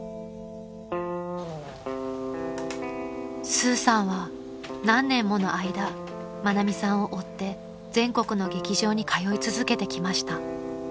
［スーさんは何年もの間愛美さんを追って全国の劇場に通い続けてきました］